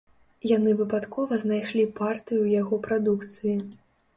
Яны выпадкова знайшлі партыю яго прадукцыі.